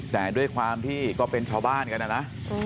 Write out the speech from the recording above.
แต่ด้วยความที่ก็เป็นชาวบ้านกันนะนะ